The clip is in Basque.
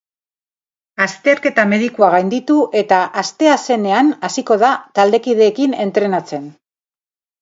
Azterketa medikua gainditu eta asteazenean hasiko da taldekideekin entrenatzen.